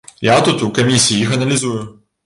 Я тут у камісіі іх аналізую.